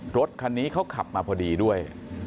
รถคันนี้เขาขับมาพอดีด้วย